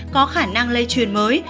có khả năng lây truyền mới